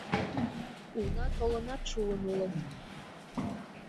Уна толынат шуын улыт.